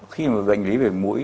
khi mà gạnh lý về mũi